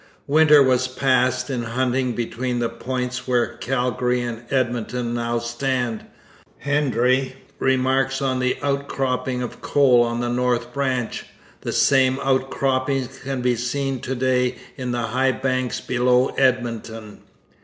Winter was passed in hunting between the points where Calgary and Edmonton now stand. Hendry remarks on the outcropping of coal on the north branch. The same outcroppings can be seen to day in the high banks below Edmonton.